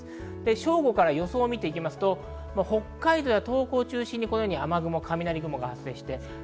正午から予想を見ると、北海道や東北を中心に雨雲、雷雲が発生しています。